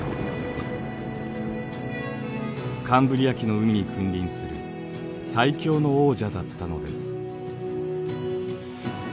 カンブリア紀の海に君臨する最強の王者だったのです。